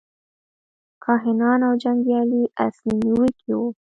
کاهنان او جنګیالي اصلي نیونکي وو.